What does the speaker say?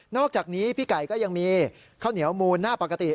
อกจากนี้พี่ไก่ก็ยังมีข้าวเหนียวมูลหน้าปกติ